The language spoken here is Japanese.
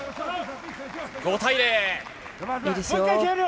５対０。